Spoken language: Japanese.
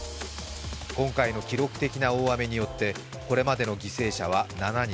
今回の記録的な大雨によってこれまでの犠牲者は７人。